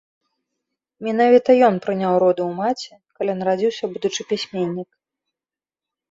Менавіта ён прыняў роды ў маці, калі нарадзіўся будучы пісьменнік.